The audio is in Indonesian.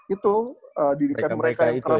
itu didikan mereka yang keras